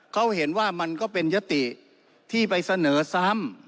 เขาเห็นว่ามันก็เป็นยติที่ไปเสนอซ้ำ